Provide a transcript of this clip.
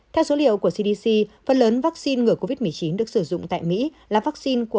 theo số liệu của cdc phần lớn vaccine ngừa covid một mươi chín được sử dụng tại mỹ là vaccine của